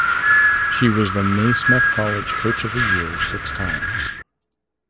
She was the Naismith College Coach of the Year six times.